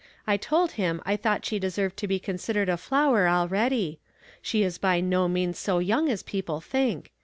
I told him I thought she deserved to be considered a flower already. She is by no means so young as people think.